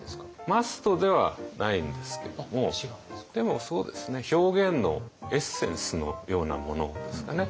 マストではないんですけどもでもそうですね表現のエッセンスのようなものですかね。